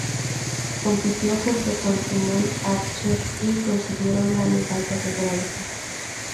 Compitió junto con Simon Archer y consiguieron la medalla de bronce.